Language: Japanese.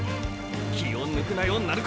気を抜くなよ鳴子！！